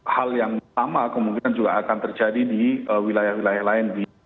hal yang sama kemungkinan juga akan terjadi di wilayah wilayah lain